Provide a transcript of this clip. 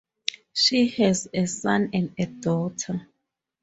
She has a son and a daughter.